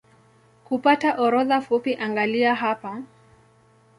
Kupata orodha fupi angalia hapa